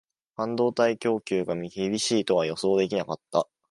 半導体供給が厳しいとは予想できなかった